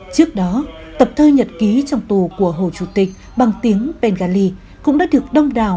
trước đó tập thơ nhật ký trong tù của hồ chủ tịch bằng tiếng bengali cũng đã được đông đào